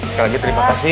sekali lagi terima kasih